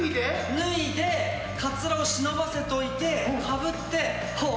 脱いでカツラを忍ばせといてかぶって小栗旬だ。